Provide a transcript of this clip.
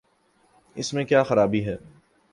اس میں کیا خرابی ہے؟